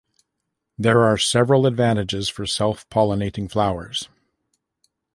There are several advantages for self-pollinating flowers.